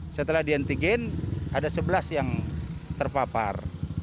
setelah di antigen ada sebelas yang terpapar